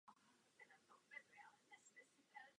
Parlament získal výkonnou i zákonodárnou moc.